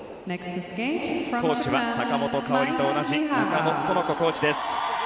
コーチは坂本花織と同じ中野園子コーチです。